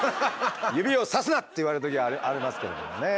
「指をさすな」って言われる時ありますけれどもね。